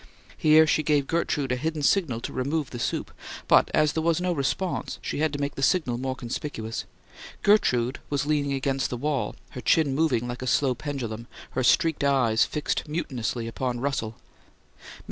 Here she gave Gertrude a hidden signal to remove the soup; but, as there was no response, she had to make the signal more conspicuous. Gertrude was leaning against the wall, her chin moving like a slow pendulum, her streaked eyes fixed mutinously upon Russell. Mrs.